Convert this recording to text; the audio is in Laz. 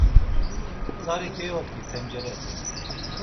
Tzari keodgi tencerete.